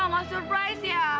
ya gak surprise ya